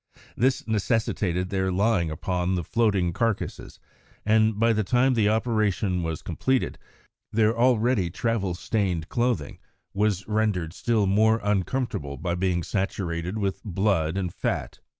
This necessitated their lying upon the floating carcases, and by the time the operation was completed, their already travel stained clothing was rendered still more uncomfortable by being saturated with blood and fat.